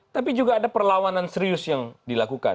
tapi juga ada perlawanan serius yang dilakukan